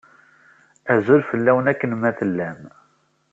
Azul fell-awen akken ma tellam!